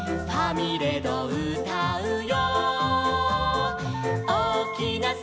「ファミレドうたうよ」